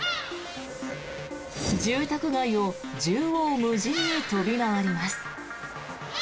住宅街を縦横無尽に飛び回ります。